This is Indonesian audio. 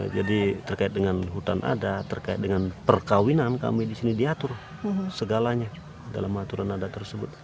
jadi terkait dengan hutan ada terkait dengan perkawinan kami di sini diatur segalanya dalam aturan adat tersebut